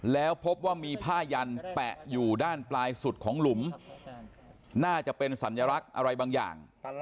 แล้วพบว่ามีผ้ายันแปะอยู่ด้านปลายสุดของหลุมน่าจะเป็นสัญลักษณ์อะไรบางอย่าง